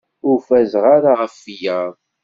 Ur fazeɣ ara ɣef wiyaḍ.